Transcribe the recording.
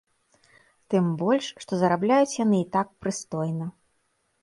Тым больш, што зарабляюць яны і так прыстойна.